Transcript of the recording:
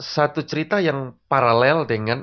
satu cerita yang paralel dengan